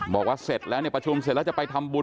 บอกว่าเสร็จแล้วเนี่ยประชุมเสร็จแล้วจะไปทำบุญ